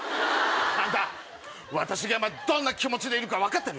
あんた私が今どんな気持ちか分かってる？